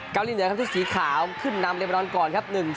เกาหลีเหนือที่สีขาวขึ้นนำเรียบร้อนก่อนครับ